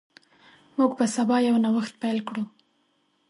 موږ به سبا یو نوښت پیل کړو.